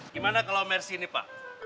gimana kalau mercy ini pak